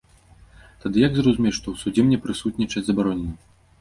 Тады як зразумець, што ў судзе мне прысутнічаць забаронена?